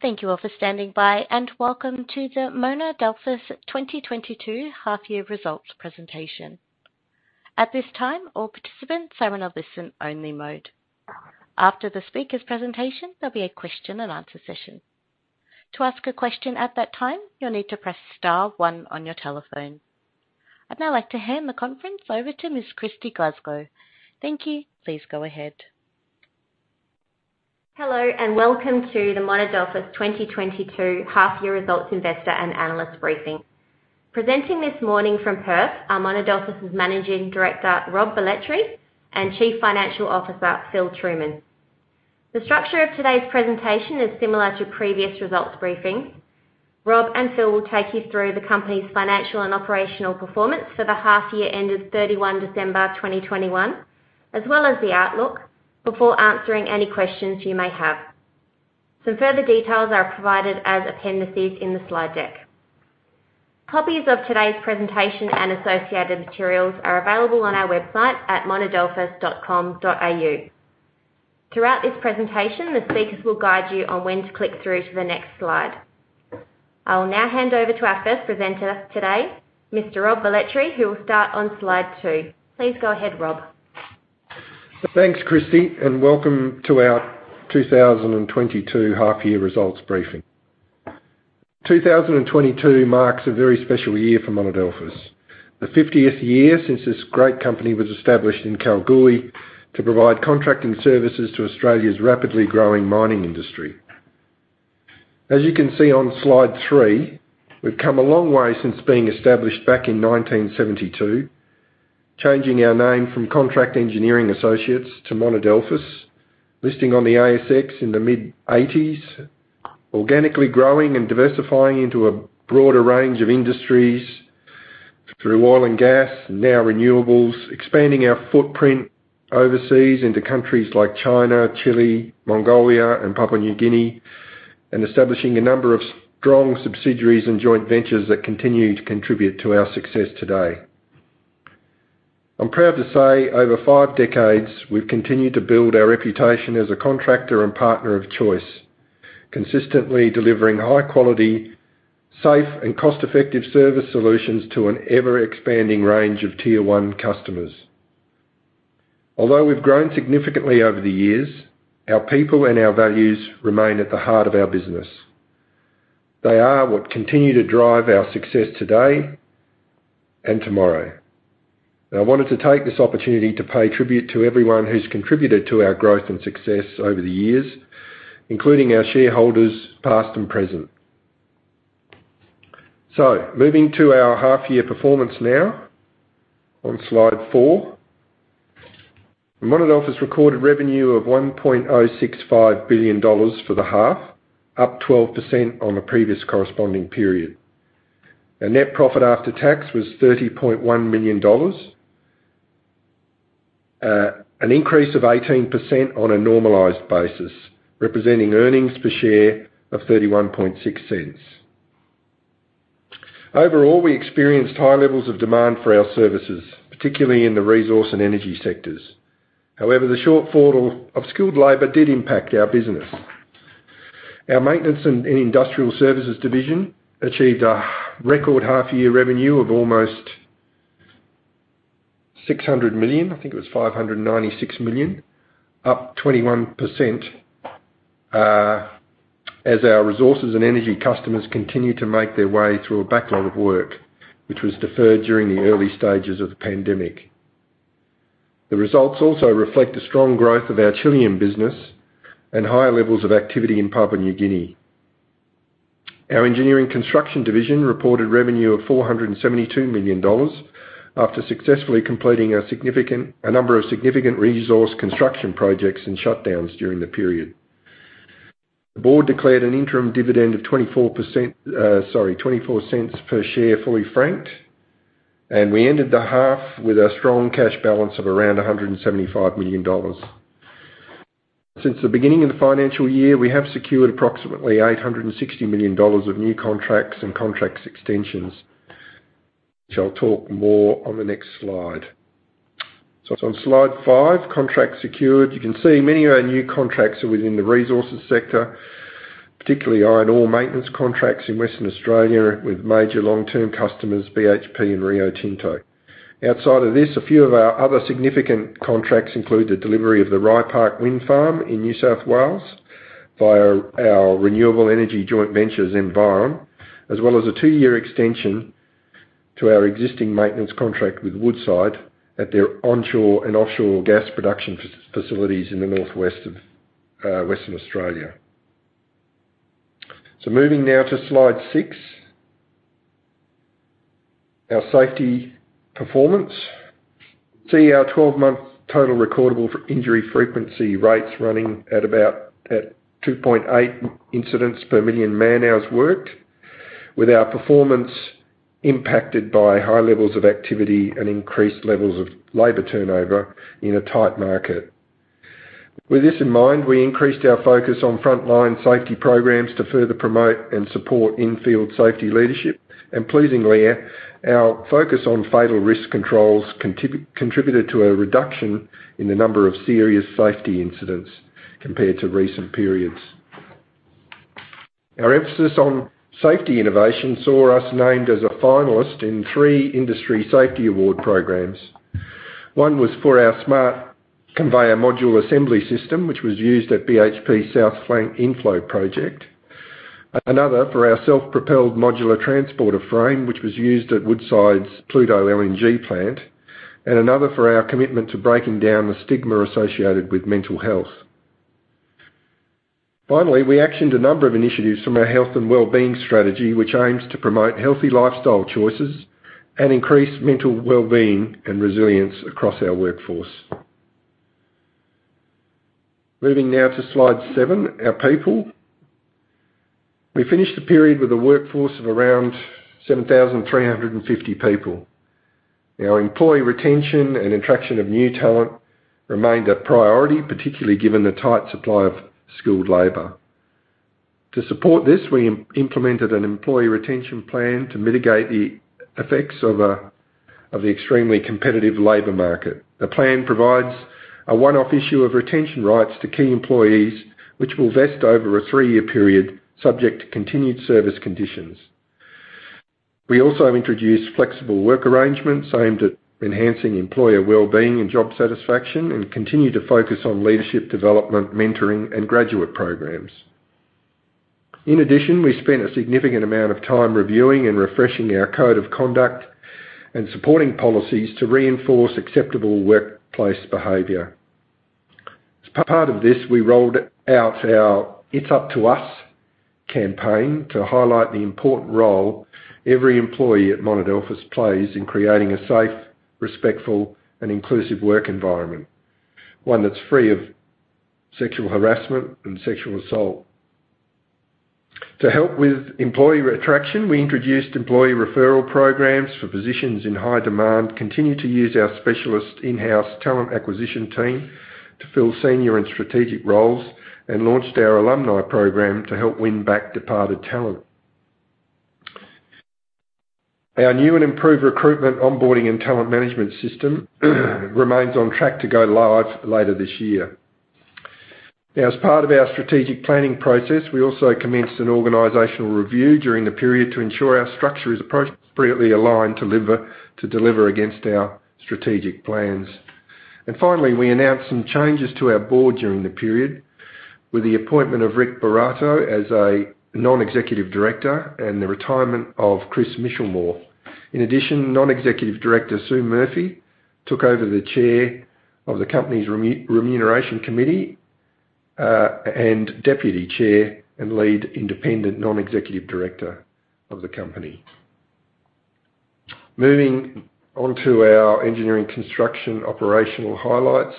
Thank you all for standing by, and welcome to the Monadelphous 2022 half year results presentation. At this time, all participants are in a listen-only mode. After the speaker's presentation, there'll be a question and answer session. To ask a question at that time, you'll need to press star one on your telephone. I'd now like to hand the conference over to Ms. Kristy Glasgow. Thank you. Please go ahead. Hello, and welcome to the Monadelphous 2022 half year results investor and analyst briefing. Presenting this morning from Perth are Monadelphous' Managing Director, Rob Velletri, and Chief Financial Officer, Phil Trueman. The structure of today's presentation is similar to previous results briefings. Rob and Phil will take you through the company's financial and operational performance for the half year ended 31 December 2021, as well as the outlook, before answering any questions you may have. Some further details are provided as appendices in the slide deck. Copies of today's presentation and associated materials are available on our website at monadelphous.com.au. Throughout this presentation, the speakers will guide you on when to click through to the next slide. I'll now hand over to our first presenter today, Mr. Rob Velletri, who will start on slide two. Please go ahead, Rob. Thanks, Kristy, and welcome to our 2022 half year results briefing. 2022 marks a very special year for Monadelphous, the 50th year since this great company was established in Kalgoorlie to provide contracting services to Australia's rapidly growing mining industry. As you can see on slide three, we've come a long way since being established back in 1972, changing our name from Contract Engineering Associates to Monadelphous, listing on the ASX in the mid-1980s, organically growing and diversifying into a broader range of industries through oil and gas, now renewables, expanding our footprint overseas into countries like China, Chile, Mongolia, and Papua New Guinea, and establishing a number of strong subsidiaries and joint ventures that continue to contribute to our success today. I'm proud to say, over five decades, we've continued to build our reputation as a contractor and partner of choice, consistently delivering high quality, safe, and cost-effective service solutions to an ever-expanding range of tier one customers. Although we've grown significantly over the years, our people and our values remain at the heart of our business. They are what continue to drive our success today and tomorrow. I wanted to take this opportunity to pay tribute to everyone who's contributed to our growth and success over the years, including our shareholders, past and present. Moving to our half year performance now on slide four. Monadelphous recorded revenue of AUD 1.065 billion for the half, up 12% on the previous corresponding period. The net profit after tax was 30.1 million dollars. An increase of 18% on a normalized basis, representing earnings per share of 0.316. Overall, we experienced high levels of demand for our services, particularly in the resource and energy sectors. However, the shortfall of skilled labor did impact our business. Our Maintenance and Industrial Services division achieved a record half-year revenue of almost 600 million. I think it was 596 million, up 21%, as our resources and energy customers continued to make their way through a backlog of work which was deferred during the early stages of the pandemic. The results also reflect the strong growth of our Chilean business and higher levels of activity in Papua New Guinea. Our Engineering Construction division reported revenue of 472 million dollars after successfully completing a significant a number of significant resource construction projects and shutdowns during the period. The board declared an interim dividend of 24 cents per share, fully franked. We ended the half with a strong cash balance of around 175 million dollars. Since the beginning of the financial year, we have secured approximately 860 million dollars of new contracts and contract extensions, which I'll talk more on the next slide. On slide five, contracts secured. You can see many of our new contracts are within the resources sector, particularly iron ore maintenance contracts in Western Australia with major long-term customers, BHP and Rio Tinto. Outside of this, a few of our other significant contracts include the delivery of the Rye Park Wind Farm in New South Wales via our renewable energy joint venture, Zenviron, as well as a two-year extension to our existing maintenance contract with Woodside at their onshore and offshore gas production facilities in the northwest of Western Australia. Moving now to slide 6. Our safety performance. See our 12-month total recordable injury frequency rates running at about 2.8 incidents per million man-hours worked. With our performance impacted by high levels of activity and increased levels of labor turnover in a tight market. With this in mind, we increased our focus on frontline safety programs to further promote and support in-field safety leadership. Pleasingly, our focus on fatal risk controls contributed to a reduction in the number of serious safety incidents compared to recent periods. Our emphasis on safety innovation saw us named as a finalist in three industry safety award programs. One was for our smart conveyor module assembly system, which was used at BHP South Flank Inflow Project, another for our self-propelled modular transporter frame, which was used at Woodside's Pluto LNG plant, and another for our commitment to breaking down the stigma associated with mental health. Finally, we actioned a number of initiatives from our health and well-being strategy, which aims to promote healthy lifestyle choices and increase mental well-being and resilience across our workforce. Moving now to slide seven, our people. We finished the period with a workforce of around 7,350 people. Our employee retention and attraction of new talent remained a priority, particularly given the tight supply of skilled labor. To support this, we implemented an employee retention plan to mitigate the effects of the extremely competitive labor market. The plan provides a one-off issue of retention rights to key employees, which will vest over a three-year period subject to continued service conditions. We also have introduced flexible work arrangements aimed at enhancing employee wellbeing and job satisfaction and continue to focus on leadership development, mentoring, and graduate programs. In addition, we spent a significant amount of time reviewing and refreshing our code of conduct and supporting policies to reinforce acceptable workplace behavior. As part of this, we rolled out our It's Up to Us campaign to highlight the important role every employee at Monadelphous plays in creating a safe, respectful, and inclusive work environment. One that's free of sexual harassment and sexual assault. To help with employee attraction, we introduced employee referral programs for positions in high demand, continued to use our specialist in-house talent acquisition team to fill senior and strategic roles, and launched our alumni program to help win back departed talent. Our new and improved recruitment, onboarding, and talent management system remains on track to go live later this year. Now, as part of our strategic planning process, we also commenced an organizational review during the period to ensure our structure is appropriately aligned to deliver against our strategic plans. Finally, we announced some changes to our board during the period with the appointment of Ric Buratto as a Non-Executive Director and the retirement of Chris Michelmore. In addition, Non-Executive Director Sue Murphy took over the Chair of the company's Remuneration Committee, and Deputy Chair and Lead Independent Non-Executive Director of the company. Moving on to our Engineering Construction operational highlights.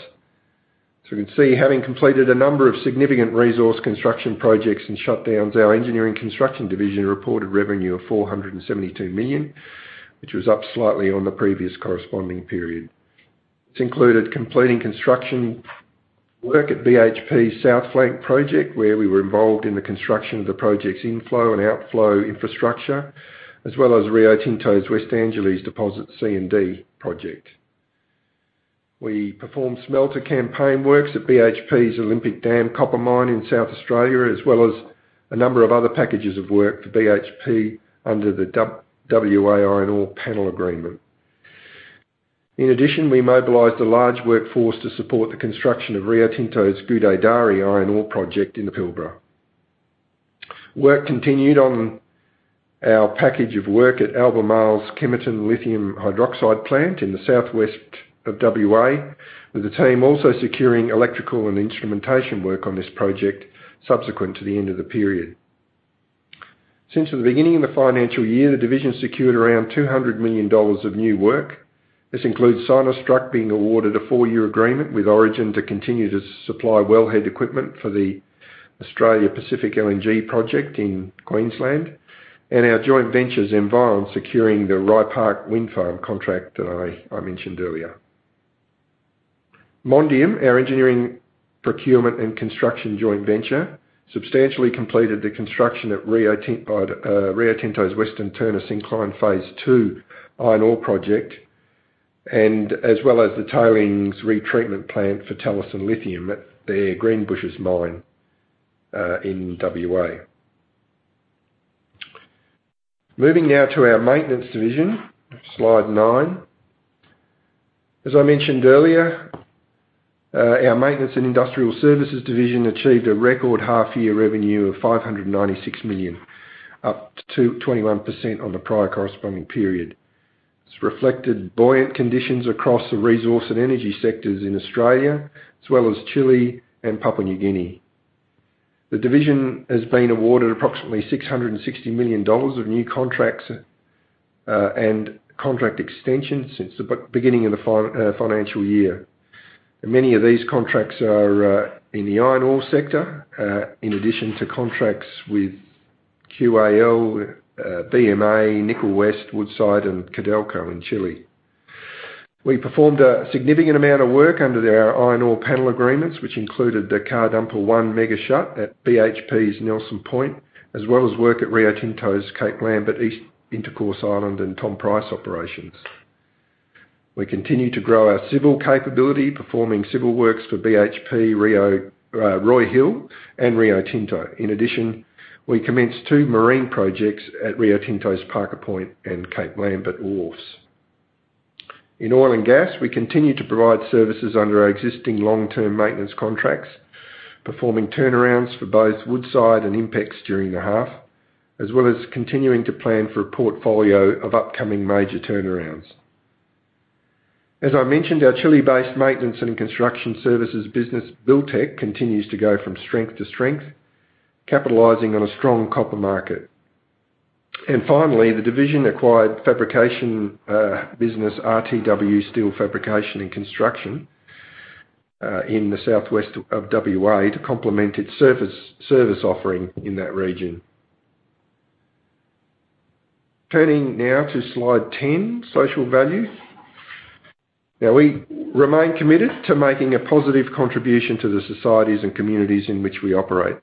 We can see, having completed a number of significant resource construction projects and shutdowns, our Engineering Construction division reported revenue of 472 million, which was up slightly on the previous corresponding period. This included completing construction work at BHP South Flank project, where we were involved in the construction of the project's inflow and outflow infrastructure, as well as Rio Tinto's West Angelas Deposits C and D project. We performed smelter campaign works at BHP's Olympic Dam copper mine in South Australia, as well as a number of other packages of work for BHP under the WA Iron Ore Asset Panel Framework Agreement. In addition, we mobilized a large workforce to support the construction of Rio Tinto's Gudai-Darri iron ore project in the Pilbara. Work continued on our package of work at Albemarle's Kemerton lithium hydroxide plant in the southwest of WA, with the team also securing electrical and instrumentation work on this project subsequent to the end of the period. Since the beginning of the financial year, the division secured around 200 million dollars of new work. This includes SinoStruct being awarded a four-year agreement with Origin to continue to supply well head equipment for the Australia Pacific LNG project in Queensland. Our joint venture's Zenviron securing the Rye Park Wind Farm contract that I mentioned earlier. Mondium, our engineering procurement and construction joint venture, substantially completed the construction at Rio Tinto's Western Turner Syncline Phase 2 iron ore project and as well as the tailings retreatment plant for Talison Lithium at their Greenbushes mine, in WA. Moving now to our maintenance division. Slide nine, as I mentioned earlier, our maintenance and industrial services division achieved a record half-year revenue of 596 million, up to 21% on the prior corresponding period. It's reflected buoyant conditions across the resource and energy sectors in Australia, as well as Chile and Papua New Guinea. The division has been awarded approximately 660 million dollars of new contracts, and contract extensions since the beginning of the financial year. Many of these contracts are in the iron ore sector, in addition to contracts with QAL, BMA, Nickel West, Woodside and Codelco in Chile. We performed a significant amount of work under their iron ore panel agreements, which included the Car Dumper 1 major shutdown at BHP's Nelson Point, as well as work at Rio Tinto's Cape Lambert, East Intercourse Island and Tom Price operations. We continue to grow our civil capability, performing civil works for BHP, Roy Hill and Rio Tinto. In addition, we commenced two marine projects at Rio Tinto's Parker Point and Cape Lambert wharfs. In oil and gas, we continue to provide services under our existing long-term maintenance contracts, performing turnarounds for both Woodside and INPEX during the half, as well as continuing to plan for a portfolio of upcoming major turnarounds. As I mentioned, our Chile-based maintenance and construction services business, Buildtek, continues to go from strength to strength, capitalizing on a strong copper market. Finally, the division acquired fabrication business, RTW Steel Fabrication and Construction, in the southwest of WA to complement its surface-service offering in that region. Turning now to slide 10, social value. Now, we remain committed to making a positive contribution to the societies and communities in which we operate.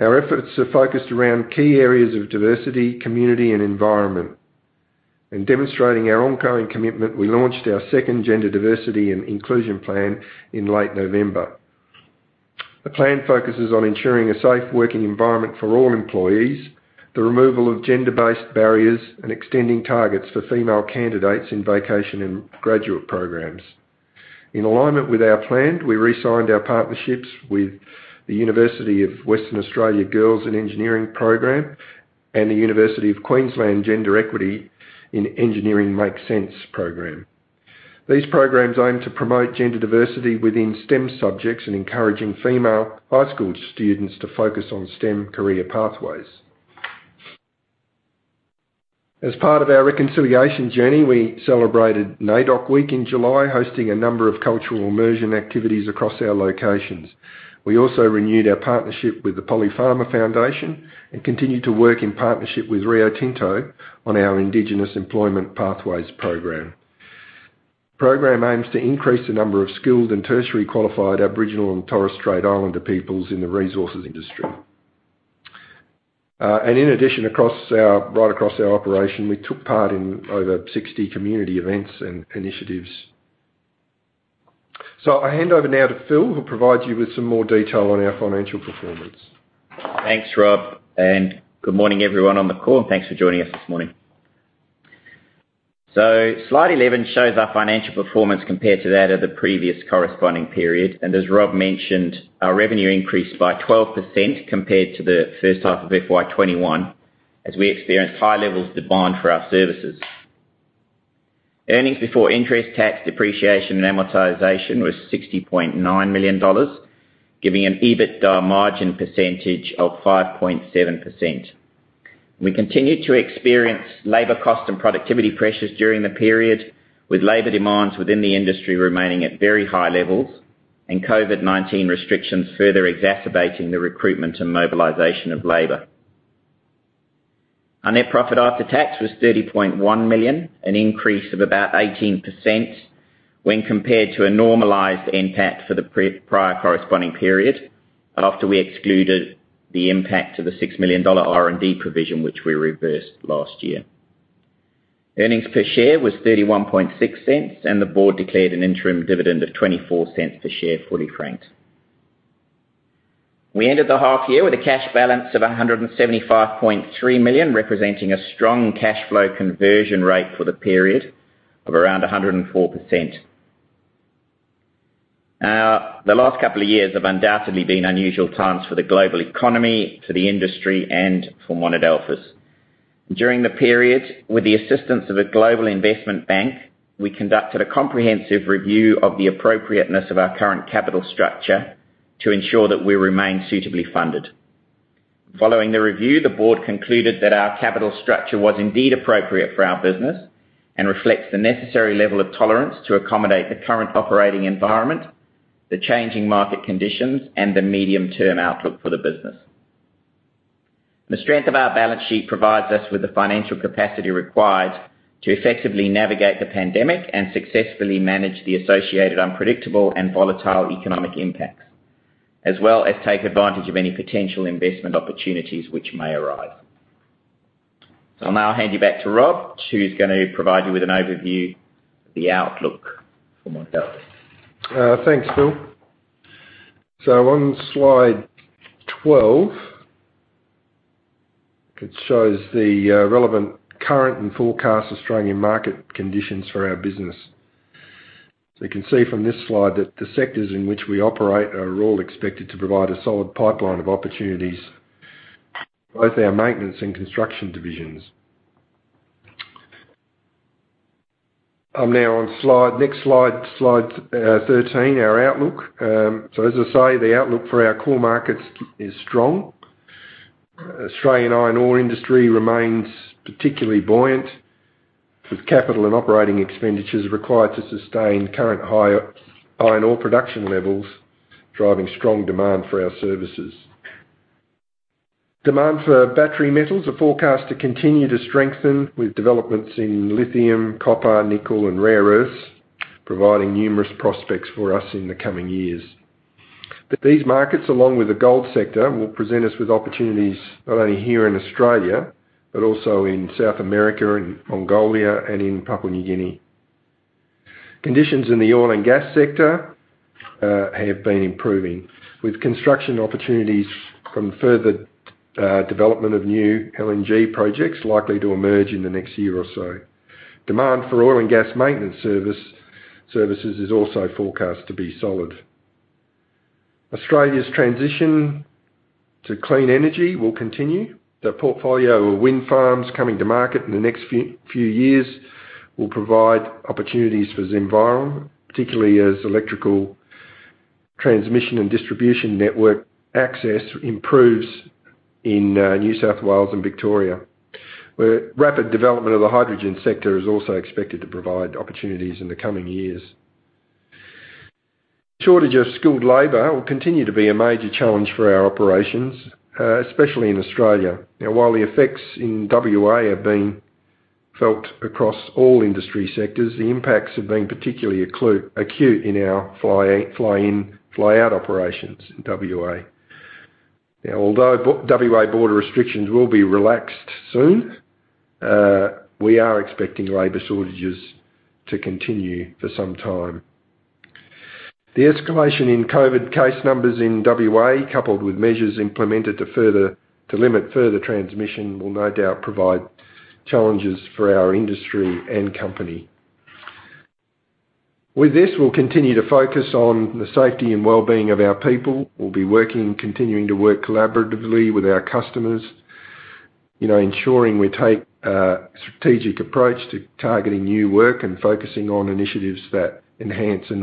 Our efforts are focused around key areas of diversity, community, and environment. In demonstrating our ongoing commitment, we launched our second gender diversity and inclusion plan in late November. The plan focuses on ensuring a safe working environment for all employees, the removal of gender-based barriers, and extending targets for female candidates in vacation and graduate programs. In alignment with our plan, we resigned our partnerships with the University of Western Australia Girls in Engineering program and the University of Queensland Gender Equity in Engineering Making Sense program. These programs aim to promote gender diversity within STEM subjects and encouraging female high school students to focus on STEM career pathways. As part of our reconciliation journey, we celebrated NAIDOC Week in July, hosting a number of cultural immersion activities across our locations. We also renewed our partnership with the Polly Farmer Foundation and continued to work in partnership with Rio Tinto on our Indigenous Employment Pathways program. The program aims to increase the number of skilled and tertiary qualified Aboriginal and Torres Strait Islander peoples in the resources industry. In addition, right across our operation, we took part in over 60 community events and initiatives. I hand over now to Phil, who'll provide you with some more detail on our financial performance. Thanks, Rob, and good morning everyone on the call, and thanks for joining us this morning. Slide 11 shows our financial performance compared to that of the previous corresponding period. As Rob mentioned, our revenue increased by 12% compared to the first half of FY 2021 as we experienced high levels of demand for our services. Earnings before interest, tax, depreciation, and amortization was 60.9 million dollars, giving an EBITDA margin percentage of 5.7%. We continued to experience labor cost and productivity pressures during the period, with labor demands within the industry remaining at very high levels and COVID-19 restrictions further exacerbating the recruitment and mobilization of labor. Our net profit after tax was 30.1 million, an increase of about 18% when compared to a normalized NPAT for the pre-prior corresponding period, after we excluded the impact of the 6 million dollar R&D provision which we reversed last year. Earnings per share was 0.316, and the board declared an interim dividend of 0.24 per share, fully franked. We ended the half year with a cash balance of 175.3 million, representing a strong cash flow conversion rate for the period of around 104%. Now, the last couple of years have undoubtedly been unusual times for the global economy, for the industry, and for Monadelphous. During the period, with the assistance of a global investment bank, we conducted a comprehensive review of the appropriateness of our current capital structure to ensure that we remain suitably funded. Following the review, the board concluded that our capital structure was indeed appropriate for our business and reflects the necessary level of tolerance to accommodate the current operating environment, the changing market conditions, and the medium-term outlook for the business. The strength of our balance sheet provides us with the financial capacity required to effectively navigate the pandemic and successfully manage the associated unpredictable and volatile economic impacts, as well as take advantage of any potential investment opportunities which may arise. I'll now hand you back to Rob, who's gonna provide you with an overview of the outlook for Monadelphous. Thanks, Phil. On slide 12, it shows the relevant current and forecast Australian market conditions for our business. You can see from this slide that the sectors in which we operate are all expected to provide a solid pipeline of opportunities for both our maintenance and construction divisions. I'm now on slide 13, our outlook. As I say, the outlook for our core markets is strong. Australian iron ore industry remains particularly buoyant with capital and operating expenditures required to sustain current high iron ore production levels, driving strong demand for our services. Demand for battery metals is forecast to continue to strengthen with developments in lithium, copper, nickel, and rare earths, providing numerous prospects for us in the coming years. These markets, along with the gold sector, will present us with opportunities not only here in Australia, but also in South America and Mongolia and in Papua New Guinea. Conditions in the oil and gas sector have been improving, with construction opportunities from further development of new LNG projects likely to emerge in the next year or so. Demand for oil and gas maintenance services is also forecast to be solid. Australia's transition to clean energy will continue. The portfolio of wind farms coming to market in the next few years will provide opportunities for Zenviron, particularly as electrical transmission and distribution network access improves in New South Wales and Victoria, where rapid development of the hydrogen sector is also expected to provide opportunities in the coming years. Shortage of skilled labor will continue to be a major challenge for our operations, especially in Australia. Now, while the effects in WA have been felt across all industry sectors, the impacts have been particularly acute in our fly-in fly-out operations in WA. Although WA border restrictions will be relaxed soon, we are expecting labor shortages to continue for some time. The escalation in COVID case numbers in WA, coupled with measures implemented to limit further transmission, will no doubt provide challenges for our industry and company. With this, we'll continue to focus on the safety and well-being of our people. We'll be working and continuing to work collaboratively with our customers, you know, ensuring we take a strategic approach to targeting new work and focusing on initiatives that enhance the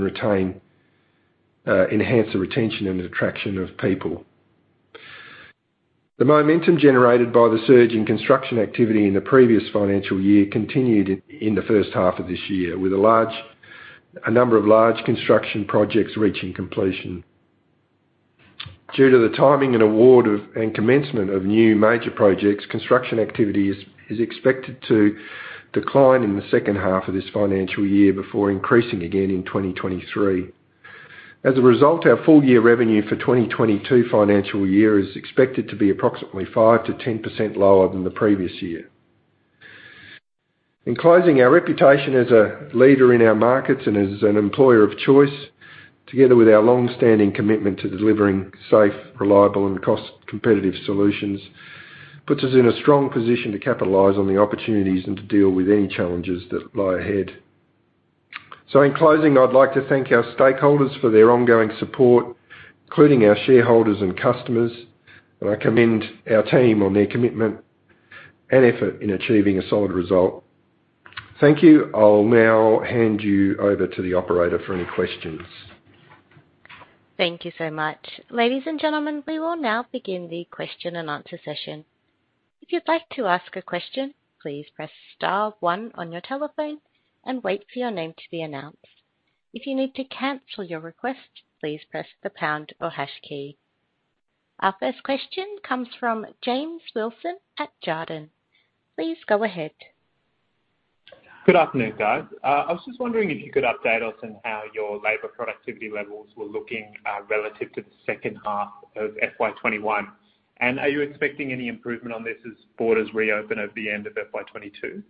retention and attraction of people. The momentum generated by the surge in construction activity in the previous financial year continued in the first half of this year with a number of large construction projects reaching completion. Due to the timing and award of, and commencement of new major projects, construction activity is expected to decline in the second half of this financial year before increasing again in 2023. As a result, our full year revenue for 2022 financial year is expected to be approximately 5%-10% lower than the previous year. In closing, our reputation as a leader in our markets and as an employer of choice, together with our long-standing commitment to delivering safe, reliable, and cost competitive solutions, puts us in a strong position to capitalize on the opportunities and to deal with any challenges that lie ahead. In closing, I'd like to thank our stakeholders for their ongoing support, including our shareholders and customers, and I commend our team on their commitment and effort in achieving a solid result. Thank you. I'll now hand you over to the operator for any questions. Thank you so much. Ladies and gentlemen, we will now begin the question and answer session. If you'd like to ask a question, please press star one on your telephone and wait for your name to be announced. If you need to cancel your request, please press the pound or hash key. Our first question comes from James Wilson at Jarden. Please go ahead. Good afternoon, guys. I was just wondering if you could update us on how your labor productivity levels were looking relative to the second half of FY 2021. Are you expecting any improvement on this as borders reopen at the end of FY 2022?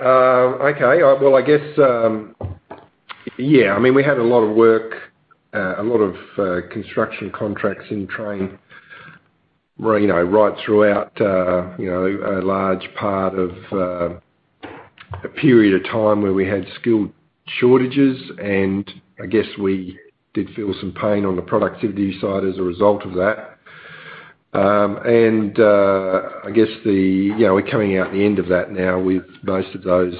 Okay. Well, I guess, yeah, I mean, we had a lot of work, a lot of construction contracts in train, you know, right throughout, you know, a large part of a period of time where we had skilled shortages. I guess we did feel some pain on the productivity side as a result of that. I guess we're coming out the end of that now with most of those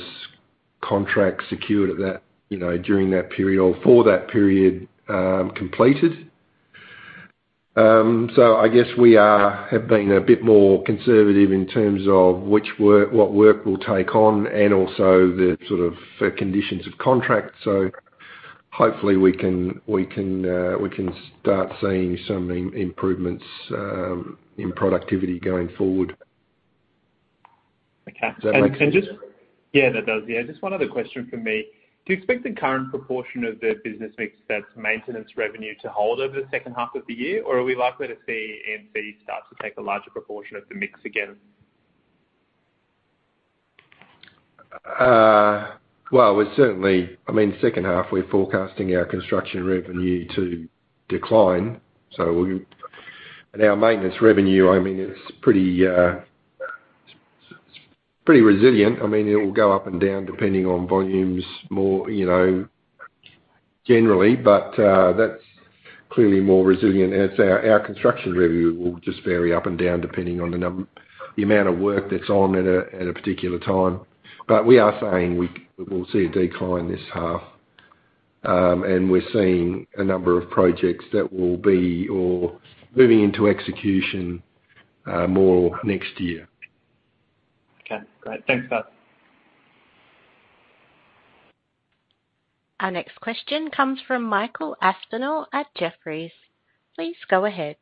contracts secured at that, you know, during that period or for that period, completed. I guess we have been a bit more conservative in terms of what work we'll take on and also the sort of conditions of contract. Hopefully we can start seeing some improvements in productivity going forward. Okay. Does that make sense? Yeah, that does. Yeah. Just one other question from me. Do you expect the current proportion of the business mix that's maintenance revenue to hold over the second half of the year, or are we likely to see MC start to take a larger proportion of the mix again? I mean, second half, we're forecasting our construction revenue to decline. Our maintenance revenue, I mean, it's pretty resilient. I mean, it will go up and down depending on volumes, you know, more generally. That's clearly more resilient. As our construction revenue will just vary up and down, depending on the amount of work that's on at a particular time. We are saying we will see a decline this half. We're seeing a number of projects that will be moving into execution more next year. Okay, great. Thanks for that. Our next question comes from Michael Aspinall at Jefferies. Please go ahead.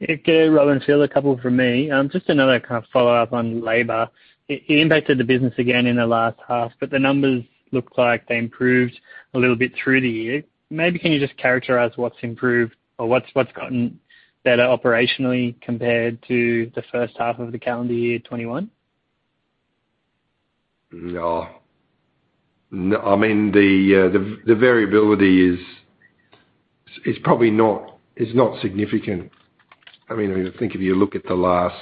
Yeah. Rob and Phil, a couple from me. Just another kind of follow-up on labor. It impacted the business again in the last half, but the numbers looked like they improved a little bit through the year. Maybe can you just characterize what's improved or what's gotten better operationally compared to the first half of the calendar year 2021? No. I mean, the variability is probably not significant. I mean, I think if you look at the last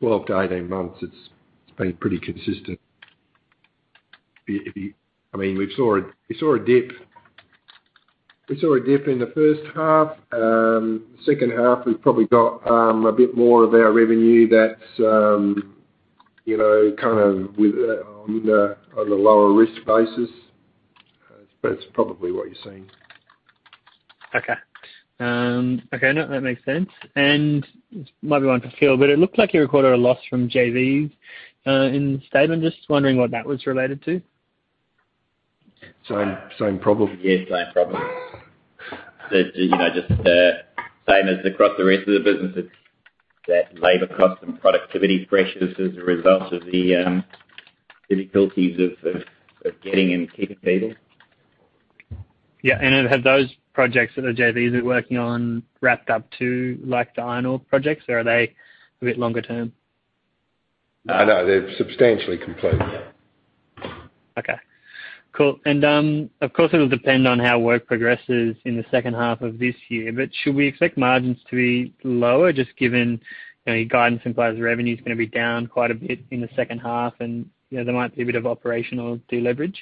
12-18 months, it's been pretty consistent. I mean, we saw a dip in the first half. Second half, we've probably got a bit more of our revenue that's you know kind of with on a lower risk basis. But that's probably what you're seeing. Okay. Okay. No, that makes sense. This might be one for Phil, but it looks like you recorded a loss from JVs in the statement. Just wondering what that was related to. Same problem. Yeah, same problem. The, you know, just, same as across the rest of the business. It's that labor cost and productivity pressures as a result of the difficulties of getting and keeping people. Yeah. Have those projects that the JVs are working on wrapped up too, like the iron ore projects? Or are they a bit longer term? No, they're substantially complete. Okay. Cool. Of course it'll depend on how work progresses in the second half of this year, but should we expect margins to be lower just given, you know, your guidance implies revenue is gonna be down quite a bit in the second half and, you know, there might be a bit of operational deleverage?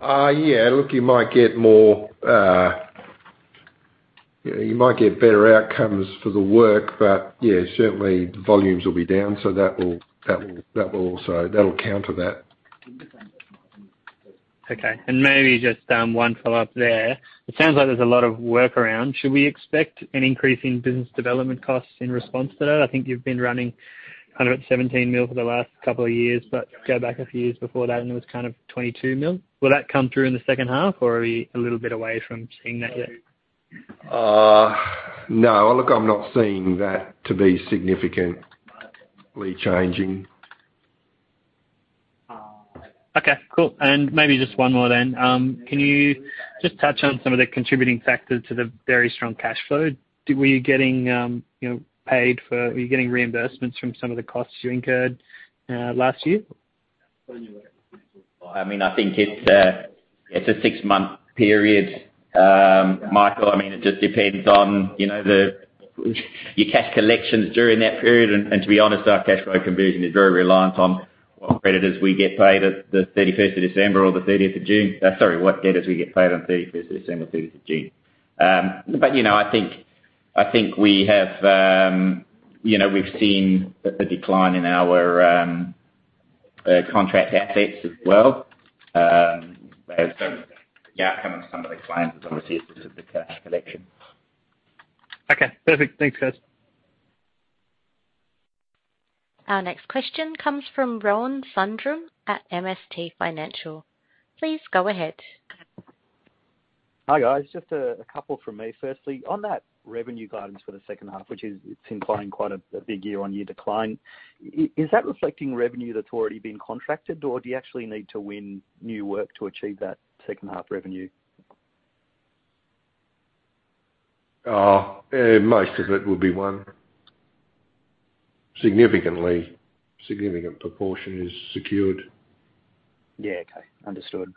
Yeah. Look, you might get more, you might get better outcomes for the work, but yeah, certainly volumes will be down. So that will also, that'll counter that. Okay. Maybe just one follow-up there. It sounds like there's a lot of work around. Should we expect an increase in business development costs in response to that? I think you've been running kind of at 17 million for the last couple of years, but go back a few years before that and it was kind of 22 million. Will that come through in the second half, or are we a little bit away from seeing that yet? No. Look, I'm not seeing that to be significantly changing. Okay, cool. Maybe just one more then. Can you just touch on some of the contributing factors to the very strong cash flow? Were you getting reimbursements from some of the costs you incurred last year? I mean, I think it's a six-month period, Michael. I mean, it just depends on, you know, your cash collections during that period. To be honest, our cash flow conversion is very reliant on what creditors we get paid at the thirty-first of December or the thirtieth of June. Sorry, what debtors we get paid on the 31st of December, 13th of June. You know, I think we have, you know, we've seen the decline in our contract assets as well. The outcome of some of these clients is obviously a specific cash collection. Okay, perfect. Thanks, guys. Our next question comes from Rohan Sundram at MST Financial. Please go ahead. Hi, guys. Just a couple from me. Firstly, on that revenue guidance for the second half, which it's implying quite a big year-on-year decline. Is that reflecting revenue that's already been contracted, or do you actually need to win new work to achieve that second half revenue? Most of it will be won. Significant proportion is secured. Yeah. Okay. Understood.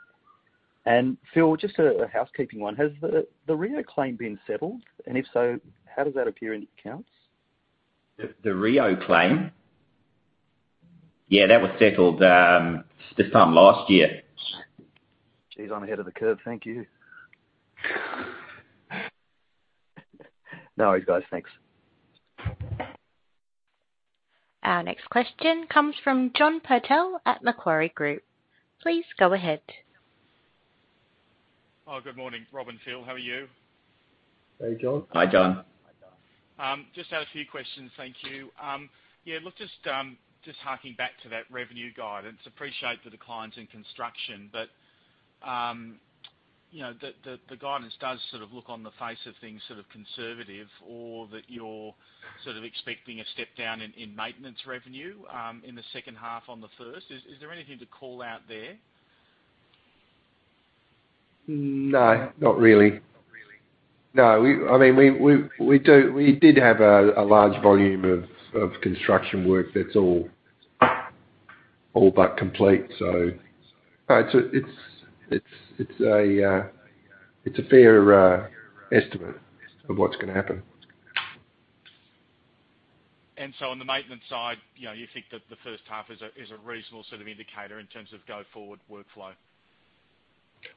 Phil, just a housekeeping one. Has the Rio claim been settled? And if so, how does that appear in the accounts? The Rio claim? Yeah, that was settled this time last year. Geez, I'm ahead of the curve. Thank you. No worries, guys. Thanks. Our next question comes from John Purtell at Macquarie Group. Please go ahead. Oh, good morning, Rob and Phil. How are you? Hey, John. Hi, John. Just had a few questions. Thank you. Yeah, look, just harking back to that revenue guidance. Appreciate the declines in construction, but you know, the guidance does sort of look on the face of things sort of conservative or that you're sort of expecting a step down in maintenance revenue in the second half on the first. Is there anything to call out there? No, not really. No. I mean, we did have a large volume of construction work that's all but complete. It's a fair estimate of what's gonna happen. On the maintenance side, you know, you think that the first half is a reasonable sort of indicator in terms of go forward workflow?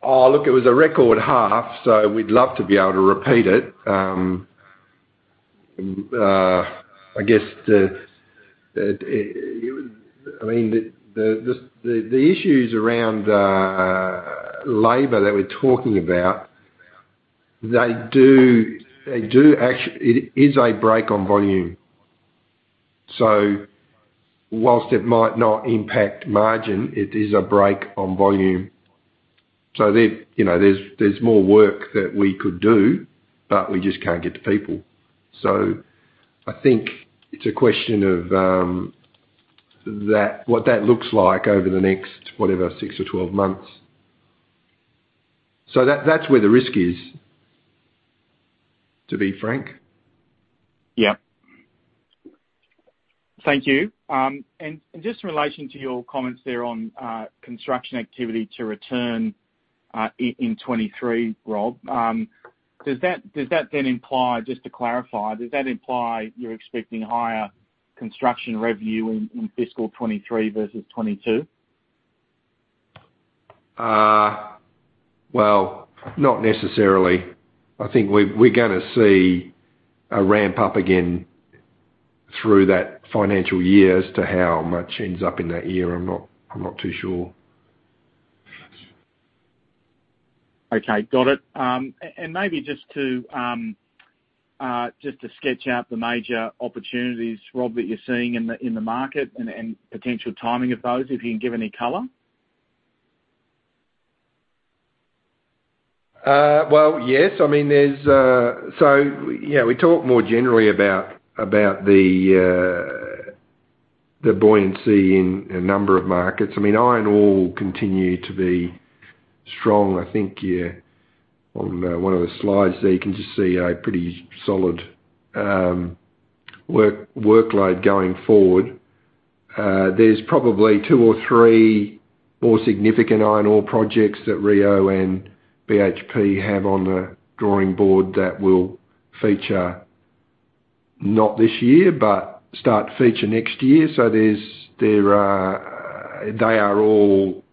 Oh, look, it was a record half, so we'd love to be able to repeat it. I guess the issues around labor that we're talking about, they do. It is a break on volume. So whilst it might not impact margin, it is a break on volume. So there, you know, there's more work that we could do, but we just can't get the people. So I think it's a question of what that looks like over the next, whatever, six or 12 months. So that's where the risk is, to be frank. Yeah. Thank you. Just in relation to your comments there on construction activity to return in 2023, Rob, does that then imply, just to clarify, does that imply you're expecting higher construction revenue in fiscal 2023 versus 2022? Well, not necessarily. I think we're gonna see a ramp up again through that financial year. As to how much ends up in that year, I'm not too sure. Okay, got it. Maybe just to sketch out the major opportunities, Rob, that you're seeing in the market and potential timing of those, if you can give any color? Well, yes. I mean, yeah, we talk more generally about the buoyancy in a number of markets. I mean, iron ore continue to be strong. I think on one of the slides there, you can just see a pretty solid workload going forward. There's probably two or three more significant iron ore projects that Rio and BHP have on the drawing board that will feature not this year, but start to feature next year. They're all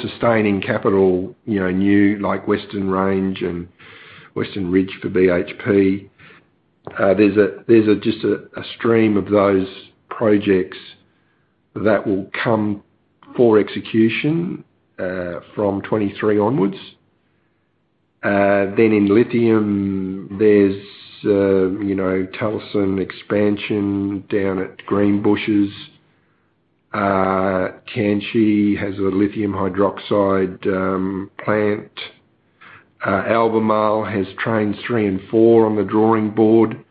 sustaining capital, you know, new like Western Range and Western Ridge for BHP. There's just a stream of those projects that will come for execution from 2023 onwards. In lithium, there's you know, Talison expansion down at Greenbushes. Tianqi has a lithium hydroxide plant. Albemarle has trains three and four on the drawing board.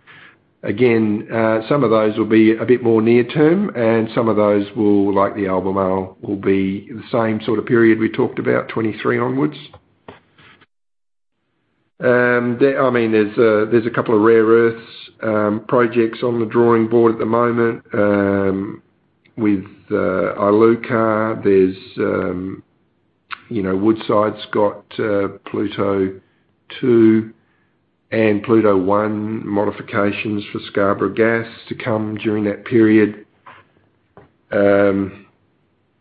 Again, some of those will be a bit more near term, and some of those will, like the Albemarle, will be the same sort of period we talked about, 2023 onwards. I mean, there's a couple of rare earths projects on the drawing board at the moment with Iluka. You know, Woodside's got Pluto Two and Pluto One modifications for Scarborough Gas to come during that period.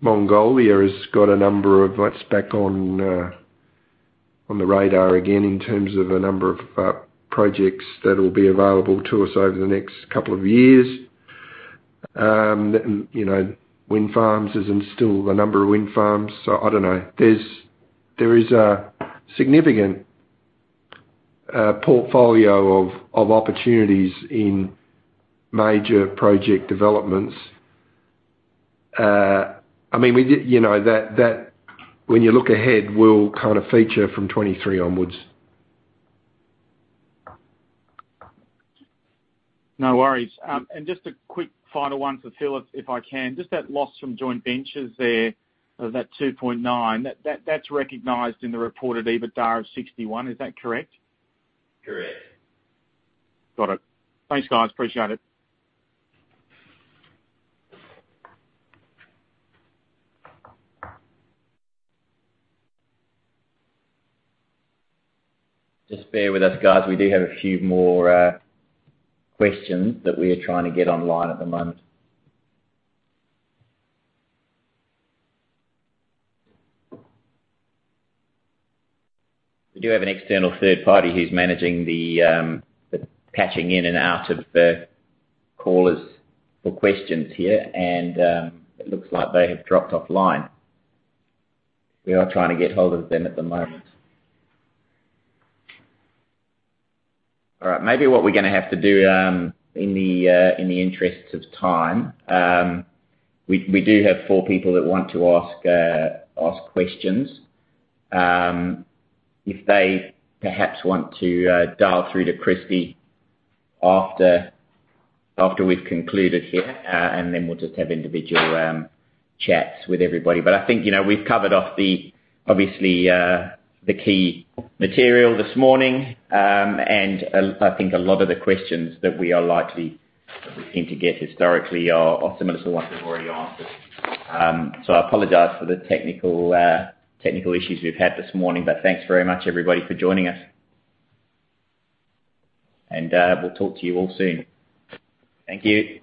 Mongolia has got a number of what's back on the radar again, in terms of a number of projects that will be available to us over the next couple of years. You know, wind farms. As in still a number of wind farms. So I don't know. There is a significant portfolio of opportunities in major project developments. I mean, you know, that when you look ahead, will kind of feature from 2023 onwards. No worries. Just a quick final one for Phil, if I can. Just that loss from joint ventures there, that 2.9, that's recognized in the reported EBITDA of 61. Is that correct? Correct. Got it. Thanks, guys. Appreciate it. Just bear with us, guys. We do have a few more questions that we are trying to get online at the moment. We do have an external third party who's managing the patching in and out of the callers for questions here. It looks like they have dropped offline. We are trying to get hold of them at the moment. All right. Maybe what we're gonna have to do, in the interests of time, we do have four people that want to ask questions. If they perhaps want to dial through to Kristy after we've concluded here, and then we'll just have individual chats with everybody. I think, you know, we've covered off the obviously, the key material this morning. I think a lot of the questions that we seem to get historically are similar to the ones we've already answered. I apologize for the technical issues we've had this morning. Thanks very much everybody for joining us. We'll talk to you all soon. Thank you.